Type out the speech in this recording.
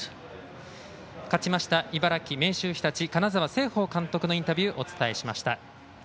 勝ちました茨城・明秀日立金沢成奉監督のインタビューをお伝えしました。